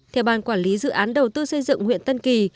theo ban quản lý dự án đầu tư xây dựng huyện tân kỳ